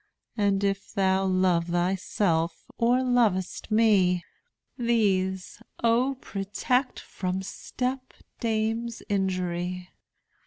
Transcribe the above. And if thou love thyself, or loved'st me, These O protect from stepdame's injury.